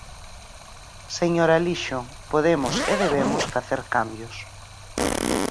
Señor Alixo, podemos e debemos facer cambios.